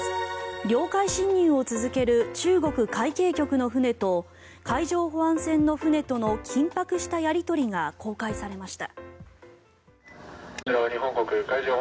領海侵入を続ける中国海警局の船と海上保安船の船との緊迫したやり取りが公開されました。